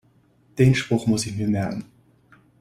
Den Spruch muss ich mir merken.